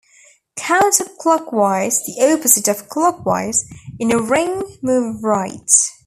Counter-clockwise - the opposite of clockwise - in a ring, move right.